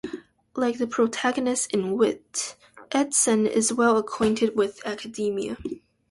Like the protagonist in "Wit", Edson is well acquainted with academia.